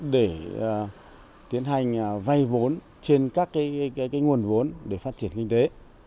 để tiến hành vay vốn trên các nguồn vốn để phát triển kinh tế